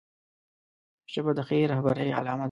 ژبه د ښې رهبرۍ علامه ده